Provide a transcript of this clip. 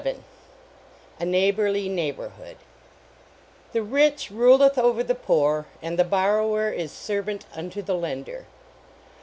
138 A NEIGHBORLY NEIGHBORHOOD XI "The rich ruleth over the poor, and the borrower is servant unto the lender."